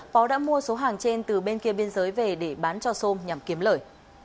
phó đã mua số hàng trên từ bên kia biên giới về để bán cho sôm nhằm kiếm lời